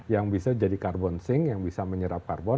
yang bisa jadi carbon sink yang bisa menyerap carbon